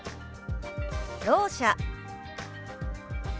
「ろう者」。